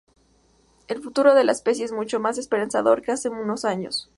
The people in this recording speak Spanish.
El futuro de la especie es mucho más esperanzador que hace unos años.